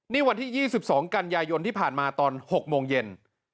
นี่วันที่๒๒กันยายนที่ผ่านมาตอน๖โมงเย็น